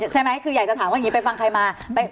ใช่ไหมอยากจะถามว่างี้ไปฟังใครมา